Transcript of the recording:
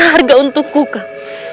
apakah aku masih sanggup jinawan